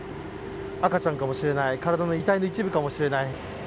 赤ちゃんかもしれない体の遺体の一部かもしれない。